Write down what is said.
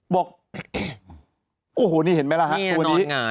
บอกโอ้โหนี่เห็นไหมล่ะฮะตัวนี้